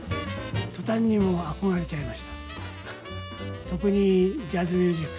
途端にもう憧れちゃいました。